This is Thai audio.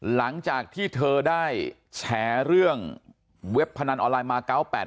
หลังจากที่เธอได้แฉเรื่องเว็บพนันออนไลน์มา๙๘๘